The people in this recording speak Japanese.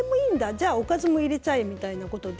じゃあ、おかずも入れちゃえみたいなことで